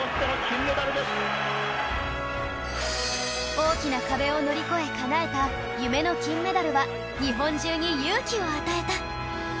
大きな壁を乗り越えかなえた夢の金メダルは日本中に勇気を与えた